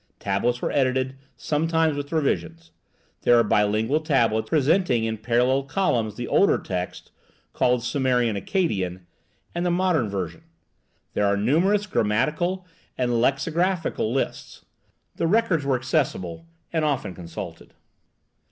Tablets were edited, sometimes with revisions. There are bilingual tablets, presenting in parallel columns the older texts (called Sumerian Accadian) and the modern version. There are numerous grammatical and lexicographical lists. The records were accessible, and often consulted.